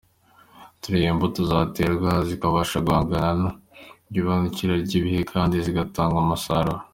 Tureba imbuto zaterwa zikabasha guhangana n’ihindagurika ry’ ibihe kandi zigatanga umusaruro.